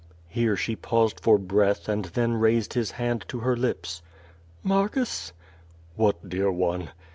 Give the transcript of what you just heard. Here she paused for breath and then raised his hand to her lips: "Marcus?'^ ^What, dear one?"